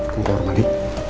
buka rumah lagi